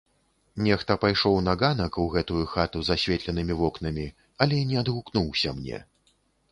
Нехта пайшоў на ганак, у гэтую хату з асветленымі вокнамі, але не адгукнуўся мне.